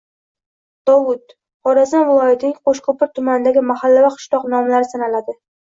Dovud – Xorazm viloyatining Qo‘shko‘pir tumanidagi mahalla va qishloq nomlari sanaladi.